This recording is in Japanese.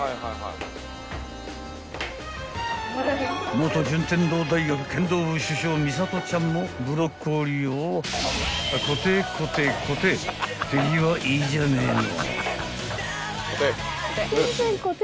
［元順天堂大学剣道部主将ミサトちゃんもブロッコリーをコテッコテッコテッ手際いいじゃねえの］